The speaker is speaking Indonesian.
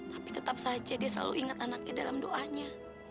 tapi tetap saja dia selalu ingat anaknya dalam doanya